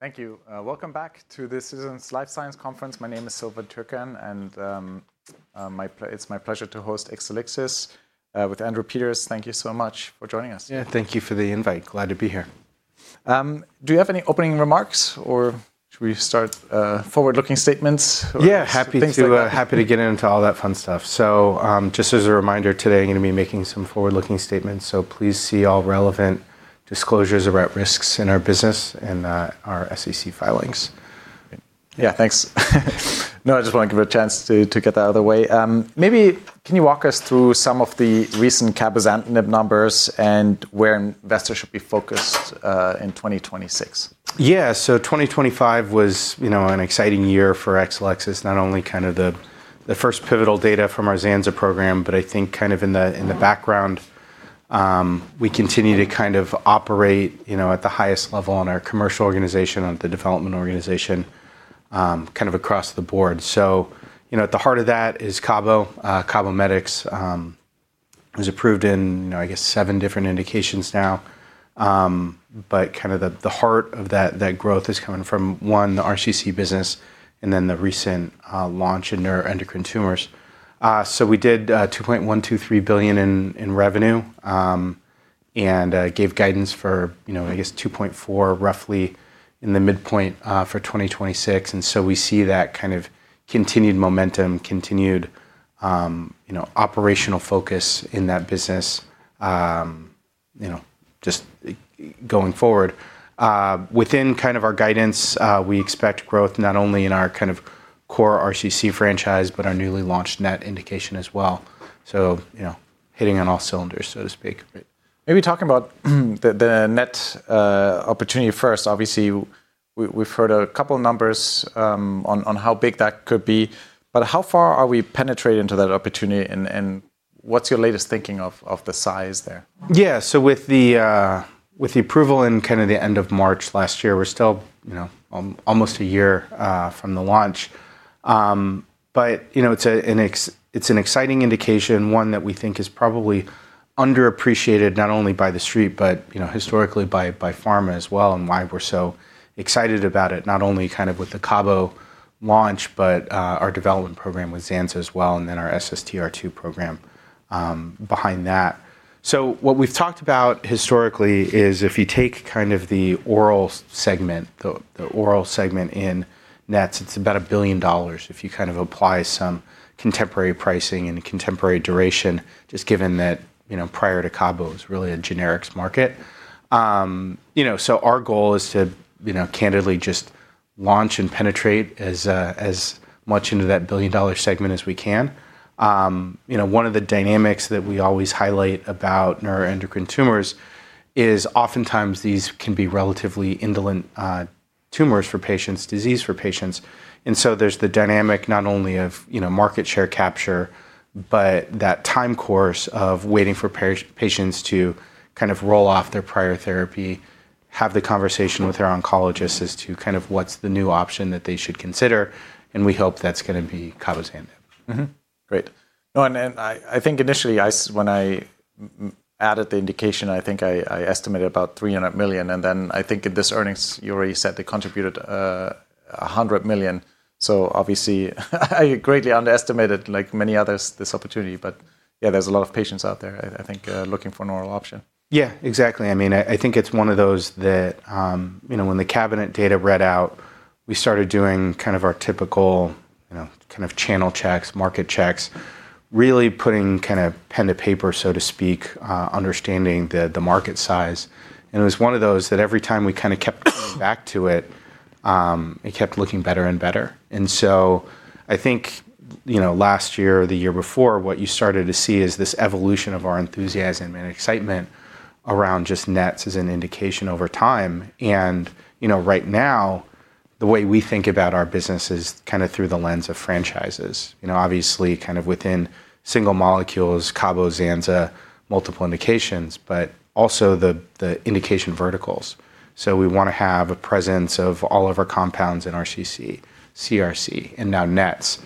Thank you. Welcome back to the Citizens Life Sciences Conference. My name is Silvan Tuerkcan, and it's my pleasure to host Exelixis with Andrew Peters. Thank you so much for joining us. Yeah, thank you for the invite. Glad to be here. Do you have any opening remarks, or should we start forward-looking statements? Yeah, happy to. Things like that? Happy to get into all that fun stuff. Just as a reminder, today I'm gonna be making some forward-looking statements, so please see all relevant disclosures about risks in our business and, our SEC filings. Yeah, thanks. No, I just wanna give a chance to get that out of the way. Maybe can you walk us through some of the recent cabozantinib numbers and where investors should be focused in 2026? Yeah. 2025 was, you know, an exciting year for Exelixis, not only kind of the first pivotal data from our zanza program, but I think kind of in the background, we continue to kind of operate, you know, at the highest level in our commercial organization and the development organization, kind of across the board. At the heart of that is cabo. Cabometyx was approved in, I guess, seven different indications now, but kind of the heart of that growth is coming from, one, the RCC business, and then the recent launch in neuroendocrine tumors. We did $2.123 billion in revenue, and gave guidance for, you know, I guess $2.4 billion roughly in the midpoint, for 2026. We see that kind of continued momentum, you know, operational focus in that business, you know, just going forward. Within kind of our guidance, we expect growth not only in our kind of core RCC franchise, but our newly launched NET indication as well. You know, hitting on all cylinders, so to speak. Maybe talking about the NET opportunity first. Obviously we've heard a couple numbers on how big that could be, but how far are we penetrated into that opportunity and what's your latest thinking of the size there? Yeah. With the approval in kind of the end of March last year, we're still, you know, almost a year from the launch. You know, it's an exciting indication, one that we think is probably underappreciated, not only by the street, but, you know, historically by pharma as well and why we're so excited about it, not only kind of with the cabo launch, but our development program with zanza as well, and then our SSTR2 program behind that. What we've talked about historically is if you take kind of the oral segment, the oral segment in NET, it's about $1 billion if you kind of apply some contemporary pricing and contemporary duration, just given that, you know, prior to cabo is really a generics market. You know, our goal is to, you know, candidly just launch and penetrate as much into that billion-dollar segment as we can. You know, one of the dynamics that we always highlight about neuroendocrine tumors is oftentimes these can be relatively indolent tumors for patients, disease for patients. There's the dynamic not only of, you know, market share capture, but that time course of waiting for patients to kind of roll off their prior therapy, have the conversation with their oncologists as to kind of what's the new option that they should consider, and we hope that's gonna be cabozantinib. Great. No, I think initially when I added the indication, I think I estimated about $300 million, and then I think in this earnings, you already said they contributed $100 million. I greatly underestimated, like many others, this opportunity. Yeah, there's a lot of patients out there, I think looking for an oral option. Yeah, exactly. I mean, I think it's one of those that, you know, when the cabo NET data read out, we started doing kind of our typical, you know, kind of channel checks, market checks, really putting kind of pen to paper, so to speak, understanding the market size. It was one of those that every time we kind of kept coming back to it kept looking better and better. I think, you know, last year or the year before, what you started to see is this evolution of our enthusiasm and excitement around just NET as an indication over time. You know, right now, the way we think about our business is kinda through the lens of franchises. You know, obviously, kind of within single molecules, cabo, zanza, multiple indications, but also the indication verticals. We wanna have a presence of all of our compounds in RCC, CRC, and now NETs.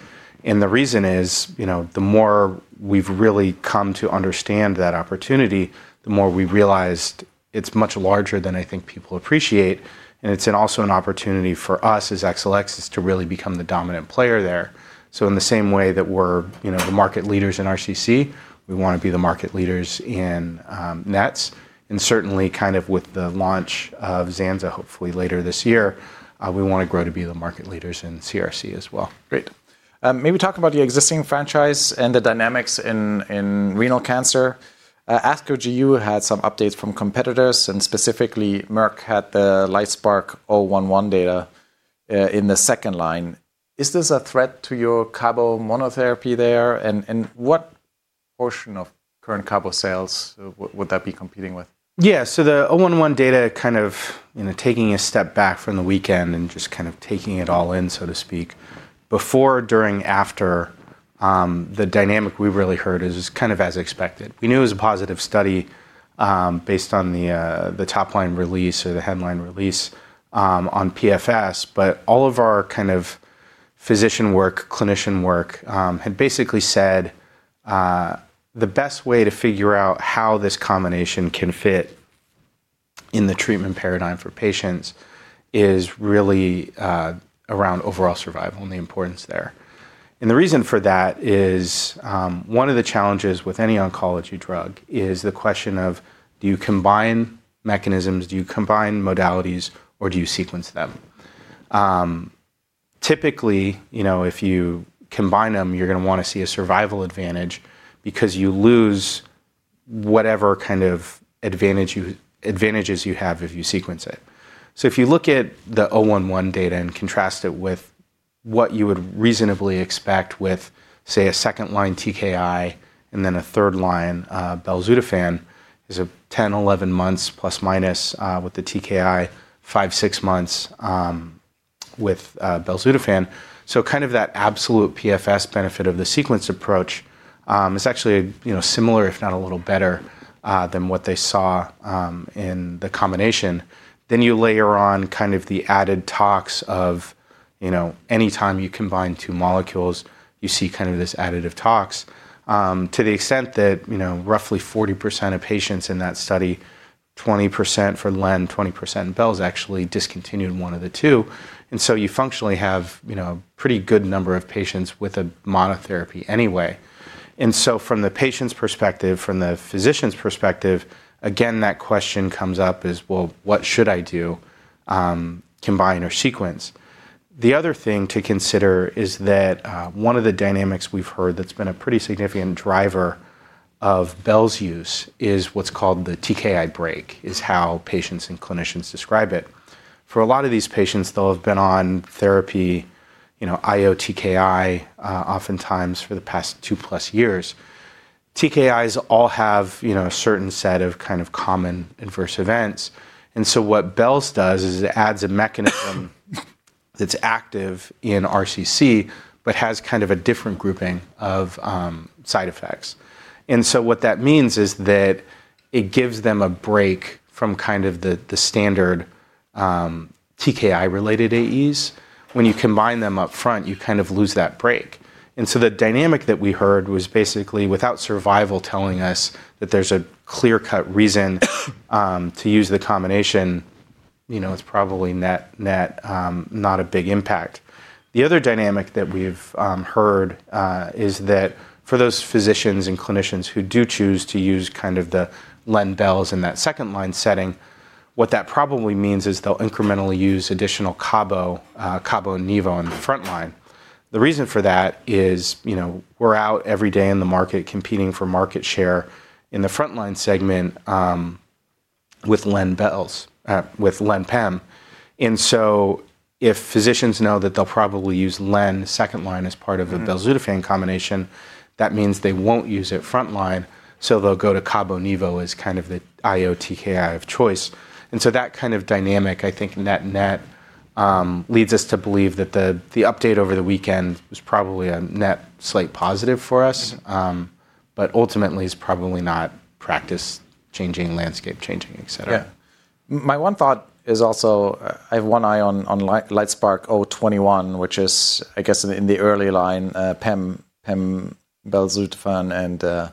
The reason is, you know, the more we've really come to understand that opportunity, the more we realized it's much larger than I think people appreciate, and it's also an opportunity for us as Exelixis to really become the dominant player there. In the same way that we're, you know, the market leaders in RCC, we wanna be the market leaders in NETs. Certainly kind of with the launch of zanza, hopefully later this year, we wanna grow to be the market leaders in CRC as well. Great. Maybe talk about the existing franchise and the dynamics in renal cancer. At ASCO GU had some updates from competitors, and specifically Merck had the LITESPARK-011 data in the second line. Is this a threat to your cabo monotherapy there? What portion of current cabo sales would that be competing with? Yeah. The 011 data kind of, you know, taking a step back from the weekend and just kind of taking it all in, so to speak, before, during, after, the dynamic we've really heard is kind of as expected. We knew it was a positive study based on the top line release or the headline release on PFS, but all of our kind of physician work, clinician work had basically said the best way to figure out how this combination can fit in the treatment paradigm for patients is really around overall survival and the importance there. The reason for that is one of the challenges with any oncology drug is the question of do you combine mechanisms? Do you combine modalities or do you sequence them? Typically, you know, if you combine them, you're gonna wanna see a survival advantage because you lose whatever kind of advantages you have if you sequence it. If you look at the LITESPARK-011 data and contrast it with what you would reasonably expect with, say, a second-line TKI and then a third-line belzutifan is 10-11 months plus minus with the TKI 5-6 months with belzutifan. That absolute PFS benefit of the sequence approach is actually, you know, similar, if not a little better than what they saw in the combination. You layer on kind of the added tox of. You know, anytime you combine two molecules, you see kind of this additive tox to the extent that, you know, roughly 40% of patients in that study, 20% for len, 20% bel, is actually discontinued in one of the two, and so you functionally have, you know, pretty good number of patients with a monotherapy anyway. From the patient's perspective, from the physician's perspective, again, that question comes up is, well, what should I do, combine or sequence? The other thing to consider is that one of the dynamics we've heard that's been a pretty significant driver of bel's use is what's called the TKI break, is how patients and clinicians describe it. For a lot of these patients, they'll have been on therapy, you know, IO TKI, oftentimes for the past 2+ years. TKIs all have, you know, a certain set of kind of common adverse events, and so what bel's does is it adds a mechanism that's active in RCC but has kind of a different grouping of side effects. The dynamic that we heard was basically without survival telling us that there's a clear-cut reason to use the combination, you know, it's probably net not a big impact. The other dynamic that we've heard is that for those physicians and clinicians who do choose to use kind of the len, bel's in that second-line setting, what that probably means is they'll incrementally use additional cabo/nivo in the front line. The reason for that is, you know, we're out every day in the market competing for market share in the front-line segment with len/pem. If physicians know that they'll probably use len second line as part of the belzutifan combination, that means they won't use it front line, so they'll go to cabo-nivo as kind of the IO TKI of choice. That kind of dynamic, I think net-net, leads us to believe that the update over the weekend was probably a net slight positive for us. Ultimately is probably not practice-changing, landscape-changing, et cetera. Yeah. My one thought is also, I have one eye on LITESPARK-021, which is, I guess, in the early line, pembrolizumab and belzutifan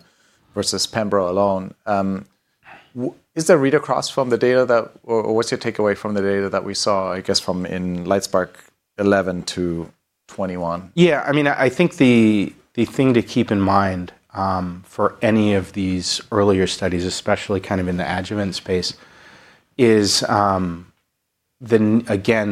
versus pembro alone. Is there read across from the data that we saw? Or what's your takeaway from the data that we saw, I guess, from LITESPARK-011 to LITESPARK-021? Yeah. I mean, I think the thing to keep in mind for any of these earlier studies, especially kind of in the adjuvant space, is again,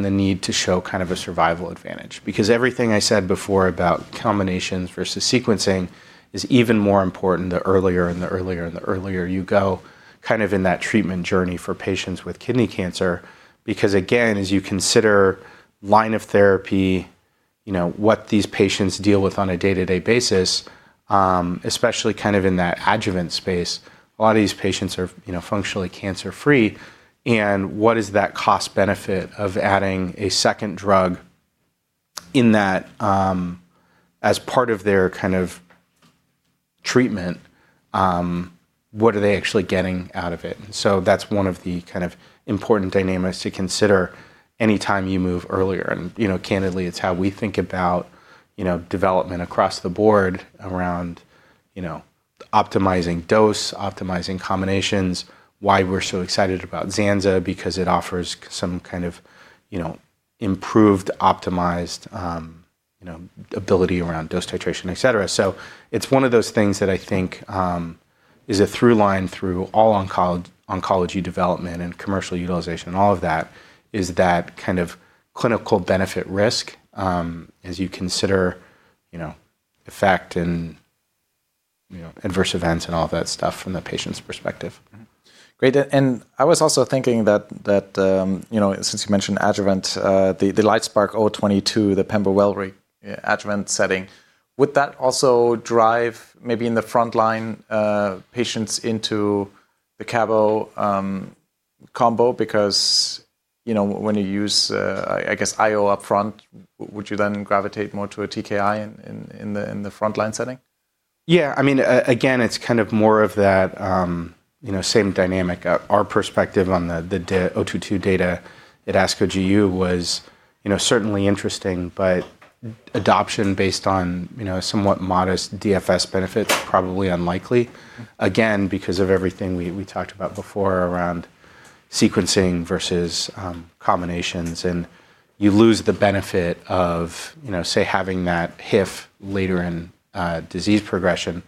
the need to show kind of a survival advantage. Because everything I said before about combinations versus sequencing is even more important the earlier you go kind of in that treatment journey for patients with kidney cancer. Because again, as you consider line of therapy, you know, what these patients deal with on a day-to-day basis, especially kind of in that adjuvant space, a lot of these patients are, you know, functionally cancer-free, and what is that cost benefit of adding a second drug in that as part of their kind of treatment, what are they actually getting out of it? That's one of the kind of important dynamics to consider any time you move earlier and, you know, candidly, it's how we think about, you know, development across the board around, you know, optimizing dose, optimizing combinations, why we're so excited about zanzalintinib because it offers some kind of, you know, improved, optimized, you know, ability around dose titration, et cetera. It's one of those things that I think is a through line through all oncology development and commercial utilization and all of that, is that kind of clinical benefit risk as you consider, you know, effect and, you know, adverse events and all that stuff from the patient's perspective. Great. I was also thinking that, you know, since you mentioned adjuvant, the LITESPARK-022, the pembro Welireg, adjuvant setting, would that also drive maybe in the front line, patients into the cabo combo because, you know, when you use, I guess IO up front, would you then gravitate more to a TKI in the front-line setting? Yeah. I mean, again, it's kind of more of that, you know, same dynamic. Our perspective on the 022 data at ASCO GU was, you know, certainly interesting, but adoption based on, you know, somewhat modest DFS benefit probably unlikely, again, because of everything we talked about before around sequencing versus combinations. You lose the benefit of, you know, say, having that HIF later in disease progression.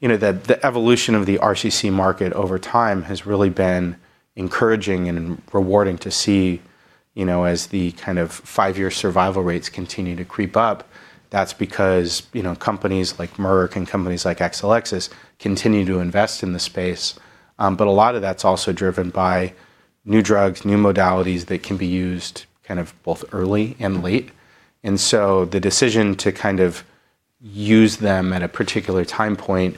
The evolution of the RCC market over time has really been encouraging and rewarding to see, you know, as the kind of five-year survival rates continue to creep up. That's because, you know, companies like Merck and companies like Exelixis continue to invest in the space. But a lot of that's also driven by new drugs, new modalities that can be used kind of both early and late. The decision to kind of use them at a particular time point,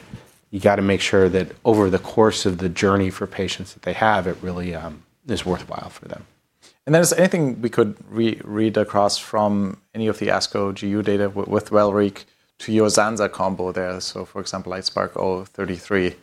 you gotta make sure that over the course of the journey for patients that they have, it really is worthwhile for them. Is there anything we could read across from any of the ASCO GU data with Welireg to your zanzalintinib combo there? For example, LITESPARK-033,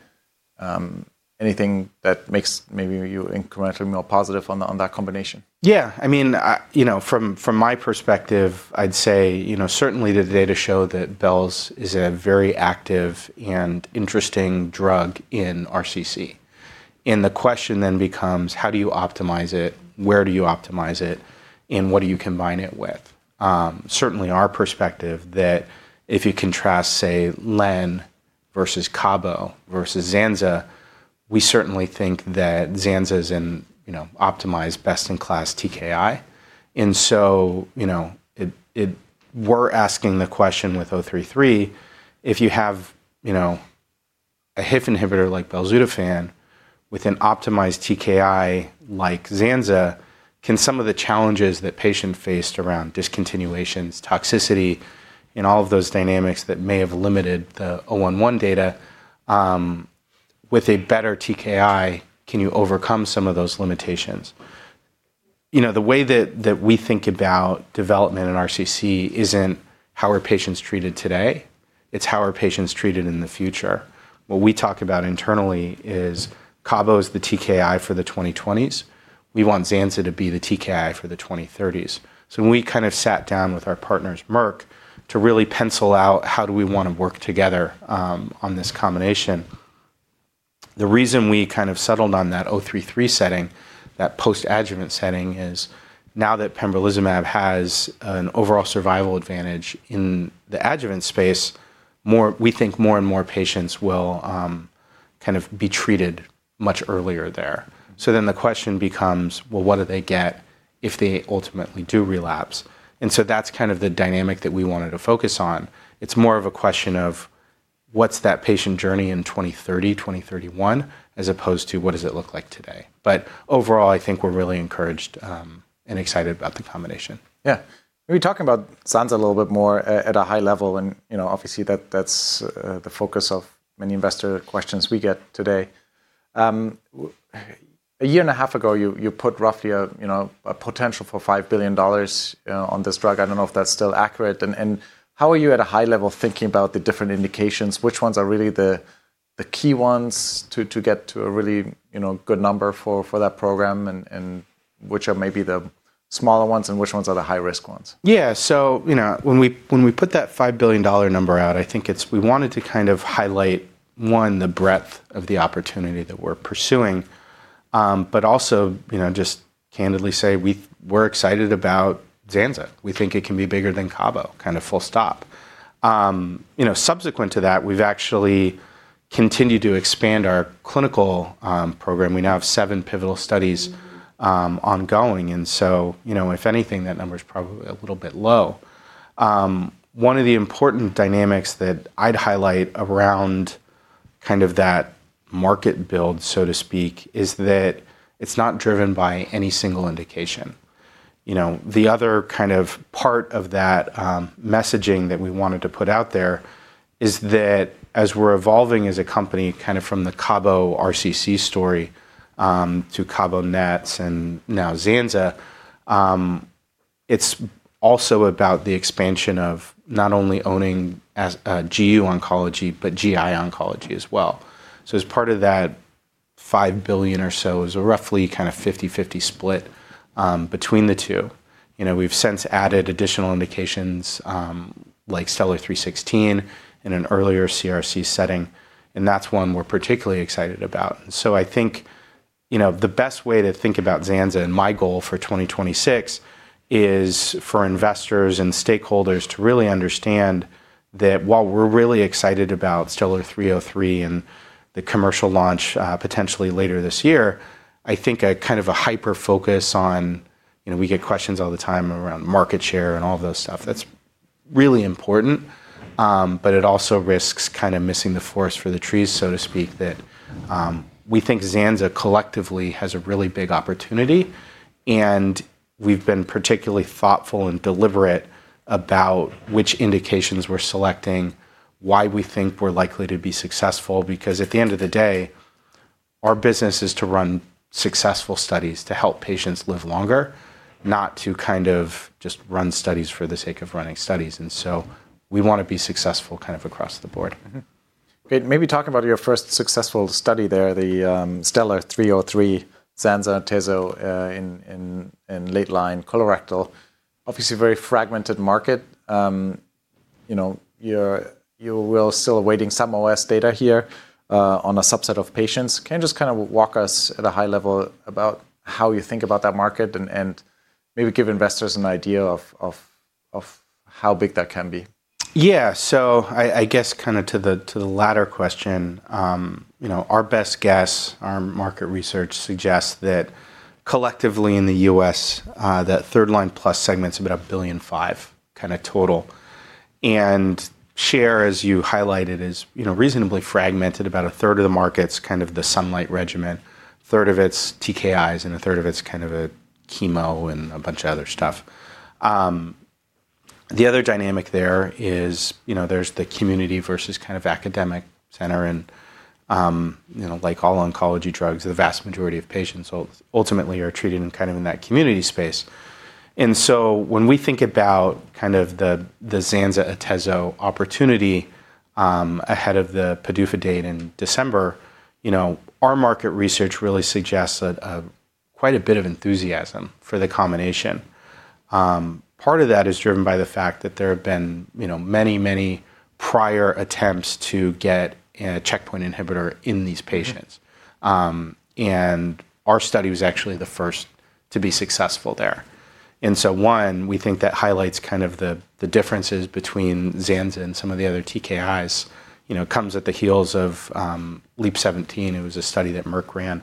anything that makes maybe you incrementally more positive on that combination? Yeah. I mean, you know, from my perspective, I'd say, you know, certainly the data show that bel is a very active and interesting drug in RCC. The question then becomes how do you optimize it, where do you optimize it, and what do you combine it with? Certainly our perspective that if you contrast, say, len versus cabo versus zanza, we certainly think that zanza is an, you know, optimized best-in-class TKI. You know, it. We're asking the question with oh-three-three, if you have, you know, a HIF inhibitor like belzutifan with an optimized TKI like zanza, can some of the challenges that patients faced around discontinuations, toxicity, and all of those dynamics that may have limited the oh-one-one data, with a better TKI, can you overcome some of those limitations? You know, the way that we think about development in RCC isn't how are patients treated today, it's how are patients treated in the future. What we talk about internally is Cabo is the TKI for the 2020s. We want Zanza to be the TKI for the 2030s. When we kind of sat down with our partners, Merck, to really pencil out how do we wanna work together on this combination, the reason we kind of settled on that 033 setting, that post-adjuvant setting, is now that pembrolizumab has an overall survival advantage in the adjuvant space, more, we think, more and more patients will kind of be treated much earlier there. The question becomes, well, what do they get if they ultimately do relapse? That's kind of the dynamic that we wanted to focus on. It's more of a question of what's that patient journey in 2030, 2031, as opposed to what does it look like today? Overall, I think we're really encouraged, and excited about the combination. Yeah. Maybe talking about Zanza a little bit more at a high level, and, you know, obviously, that's the focus of many investor questions we get today. A year and a half ago, you put roughly, you know, a potential for $5 billion on this drug. I don't know if that's still accurate. How are you at a high level thinking about the different indications? Which ones are really the key ones to get to a really, you know, good number for that program? Which are maybe the smaller ones and which ones are the high-risk ones? Yeah. You know, when we put that $5 billion number out, I think it's. We wanted to kind of highlight, one, the breadth of the opportunity that we're pursuing, but also, you know, just candidly say we're excited about zanza. We think it can be bigger than cabo, kind of full stop. You know, subsequent to that, we've actually continued to expand our clinical program. We now have seven pivotal studies ongoing. You know, if anything, that number is probably a little bit low. One of the important dynamics that I'd highlight around kind of that market build, so to speak, is that it's not driven by any single indication. You know, the other kind of part of that messaging that we wanted to put out there is that as we're evolving as a company, kind of from the cabo RCC story to cabo NETs and now zanza, it's also about the expansion of not only owning as a GU oncology, but GI oncology as well. As part of that $5 billion or so is a roughly kind of 50/50 split between the two. You know, we've since added additional indications like STELLAR-316 in an earlier CRC setting, and that's one we're particularly excited about. I think, you know, the best way to think about zanza and my goal for 2026 is for investors and stakeholders to really understand that while we're really excited about Stellar 303 and the commercial launch, potentially later this year, I think a kind of a hyper-focus on you know, we get questions all the time around market share and all of that stuff. That's really important, but it also risks kind of missing the forest for the trees, so to speak, that we think zanza collectively has a really big opportunity, and we've been particularly thoughtful and deliberate about which indications we're selecting, why we think we're likely to be successful. Because at the end of the day. Our business is to run successful studies to help patients live longer, not to kind of just run studies for the sake of running studies. We wanna be successful kind of across the board. Okay, maybe talk about your first successful study there, the STELLAR-303 zanzalintinib/atezolizumab, in late-line colorectal. Obviously a very fragmented market. You know, you are still awaiting some OS data here on a subset of patients. Can you just kinda walk us at a high level about how you think about that market and maybe give investors an idea of how big that can be? Yeah. I guess kinda to the latter question, you know, our best guess, our market research suggests that collectively in the U.S., that third line plus segment's about $1.5 billion kinda total. Market share, as you highlighted, you know, is reasonably fragmented. About 1/3 of the market's kind of the SUNLIGHT regimen, 1/3 of it's TKIs, and 1/3 of it's kind of a chemo and a bunch of other stuff. The other dynamic there is, you know, there's the community versus kind of academic center and, you know, like all oncology drugs, the vast majority of patients ultimately are treated kind of in that community space. When we think about kind of the zanza/atezo opportunity ahead of the PDUFA date in December, you know, our market research really suggests that quite a bit of enthusiasm for the combination. Part of that is driven by the fact that there have been, you know, many prior attempts to get checkpoint inhibitor in these patients. Our study was actually the first to be successful there. One, we think that highlights kind of the differences between zanza and some of the other TKIs. You know, it comes on the heels of LEAP-017, it was a study that Merck ran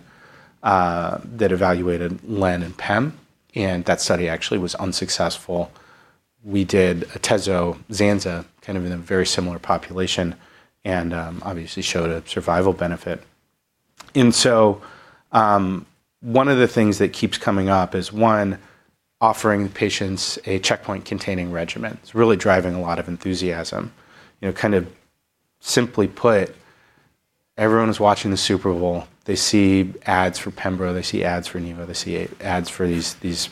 that evaluated Len and Pem, and that study actually was unsuccessful. We did atezo/zanza, kind of in a very similar population and obviously showed a survival benefit. One of the things that keeps coming up is, one, offering patients a checkpoint-containing regimen. It's really driving a lot of enthusiasm. You know, kind of simply put, everyone is watching the Super Bowl, they see ads for pembro, they see ads or nivo, they see ads for these,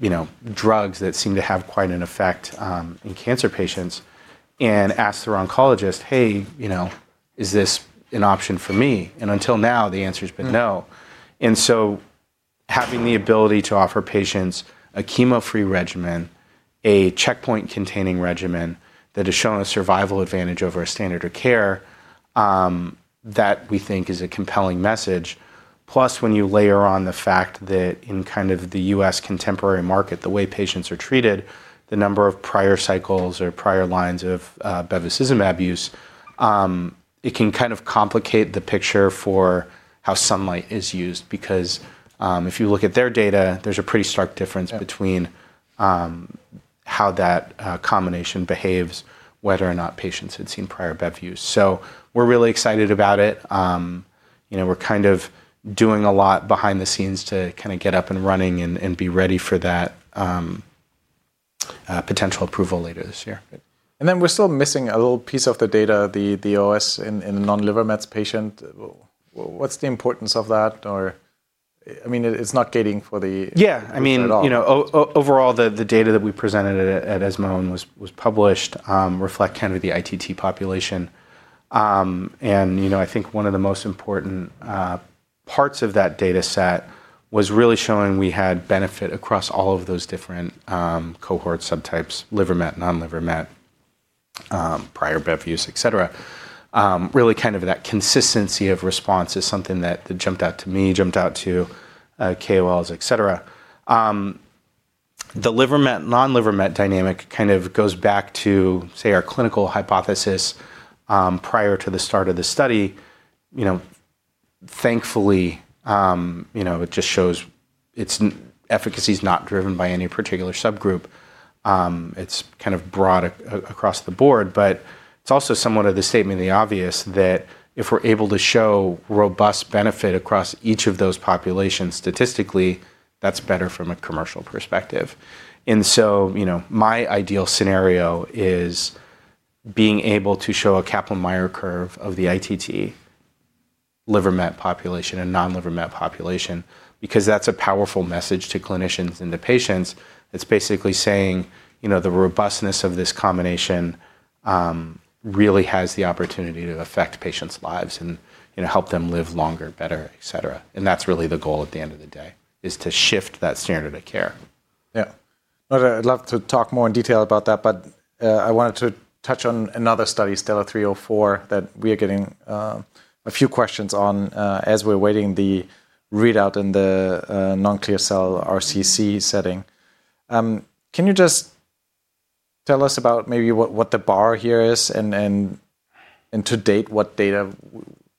you know, drugs that seem to have quite an effect in cancer patients and ask their oncologist, "Hey, you know, is this an option for me?" Until now, the answer has been no. Having the ability to offer patients a chemo-free regimen, a checkpoint-containing regimen that has shown a survival advantage over a standard of care, that we think is a compelling message. Plus when you layer on the fact that in kind of the U.S. contemporary market, the way patients are treated, the number of prior cycles or prior lines of Bevacizumab use, it can kind of complicate the picture for how SUNLIGHT is used because if you look at their data, there's a pretty stark difference between how that combination behaves, whether or not patients had seen prior bev use. We're really excited about it. You know, we're kind of doing a lot behind the scenes to kinda get up and running and be ready for that potential approval later this year. We're still missing a little piece of the data, the OS in the non-liver mets patient. What's the importance of that or, I mean, it's not gating for the- Yeah. I mean. At all. You know, overall the data that we presented at ESMO and was published reflect kind of the ITT population. You know, I think one of the most important parts of that data set was really showing we had benefit across all of those different cohort subtypes, liver met, non-liver met, prior bev use, et cetera. Really kind of that consistency of response is something that jumped out to me, jumped out to KOLs, et cetera. The liver met, non-liver met dynamic kind of goes back to, say, our clinical hypothesis prior to the start of the study. You know, thankfully, you know, it just shows its efficacy is not driven by any particular subgroup. It's kind of broad across the board, but it's also somewhat of the statement of the obvious that if we're able to show robust benefit across each of those populations statistically, that's better from a commercial perspective. You know, my ideal scenario is being able to show a Kaplan-Meier curve of the ITT liver met population and non-liver met population, because that's a powerful message to clinicians and the patients that's basically saying, you know, the robustness of this combination really has the opportunity to affect patients' lives and, you know, help them live longer, better, et cetera. That's really the goal at the end of the day, is to shift that standard of care. Yeah. Well, I'd love to talk more in detail about that, but I wanted to touch on another study, STELLAR-304, that we are getting a few questions on as we're awaiting the readout in the non-clear cell RCC setting. Can you just tell us about maybe what the bar here is and to date, what data,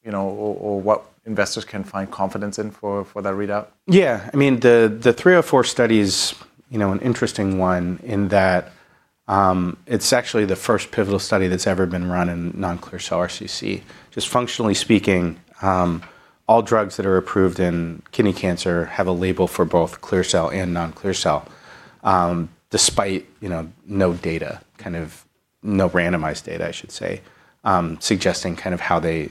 you know, or what investors can find confidence in for that readout? Yeah. I mean, the 304 study is, you know, an interesting one in that, it's actually the first pivotal study that's ever been run in non-clear cell RCC. Just functionally speaking, all drugs that are approved in kidney cancer have a label for both clear cell and non-clear cell, despite, you know, no data, kind of no randomized data I should say, suggesting kind of how they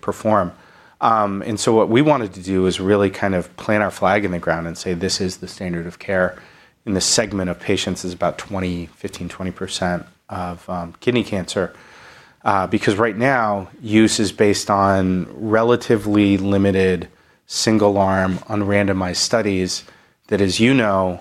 perform. What we wanted to do is really kind of plant our flag in the ground and say, "This is the standard of care," and the segment of patients is about 15%-20% of kidney cancer. Because right now use is based on relatively limited single arm unrandomized studies that, as you know,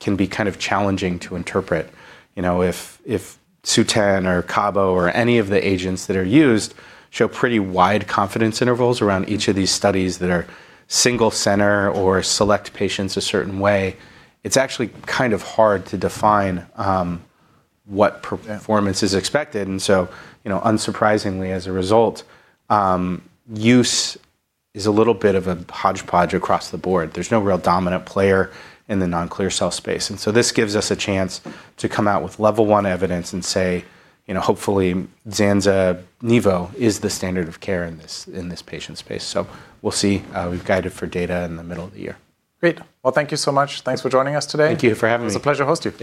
can be kind of challenging to interpret. You know, if Sutent or Cabo or any of the agents that are used show pretty wide confidence intervals around each of these studies that are single center or select patients a certain way, it's actually kind of hard to define what performance is expected. You know, unsurprisingly, as a result, use is a little bit of a hodgepodge across the board. There's no real dominant player in the non-clear cell space. This gives us a chance to come out with level one evidence and say, you know, hopefully zanza/nivo is the standard of care in this patient space. We'll see. We've guided for data in the middle of the year. Great. Well, thank you so much. Thanks for joining us today. Thank you for having me. It's a pleasure hosting you.